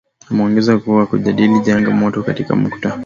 Ameongeza kuwa kujadili janga la moto katika mkutano